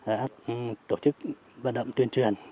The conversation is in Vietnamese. đã tổ chức vận động tuyên truyền